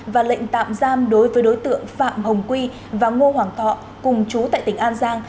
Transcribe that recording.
và lệnh tạm giam đối với đối tượng phạm hồng quy và ngô hoàng thọ cùng chú tại tỉnh an giang